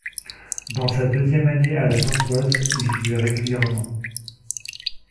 Dans sa deuxième année à la Gantoise, il jouait régulièrement.